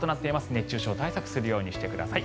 熱中症対策をするようにしてください。